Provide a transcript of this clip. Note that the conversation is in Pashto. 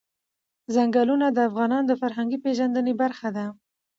چنګلونه د افغانانو د فرهنګي پیژندنې برخه ده.